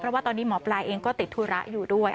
เพราะว่าตอนนี้หมอปลาเองก็ติดธุระอยู่ด้วย